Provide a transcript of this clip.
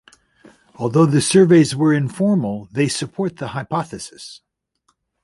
Although the surveys were informal, they support the hypothesis.